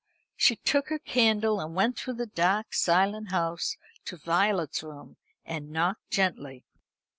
She took her candle, and went through the dark silent house to Violet's room, and knocked gently.